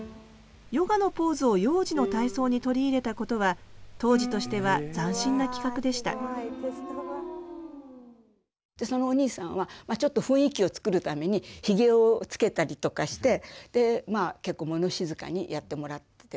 ヨガのポーズを幼児の体操に取り入れたことは当時としては斬新な企画でしたそのお兄さんはちょっと雰囲気を作るためにひげをつけたりとかして結構物静かにやってもらってて。